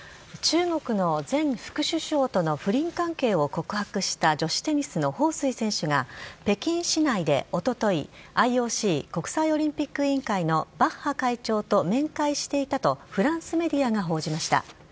中国の前副首相との不倫関係を告白した女子テニスの彭帥選手が、北京市内でおととい、ＩＯＣ・国際オリンピック委員会のバッハ会長と面会していたと、フランスメディアが報じました。